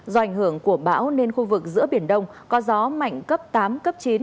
do ảnh hưởng của bão nên khu vực giữa biển đông có gió mạnh cấp tám cấp chín